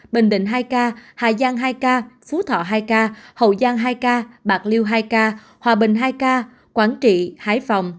bình định hai ca hà giang hai ca phú thọ hai ca hậu giang hai ca bạc liêu hai ca hòa bình hai ca quảng trị hải phòng